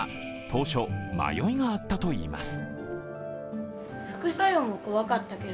当初、迷いがあったといいます。